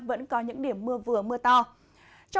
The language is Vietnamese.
vẫn có những điểm mưa vừa mưa to